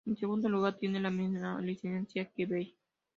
En segundo lugar, tiene la misma licencia que Bell.